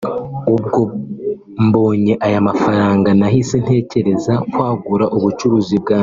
ubwo mbonye aya mafaranga nahise ntekereza kwagura ubucuruzi bwanjye